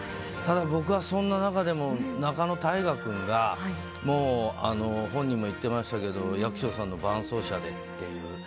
ただ僕は、そんな中でも仲野太賀くんが、もう本人も言ってましたけど、役所さんの伴走者でっていう。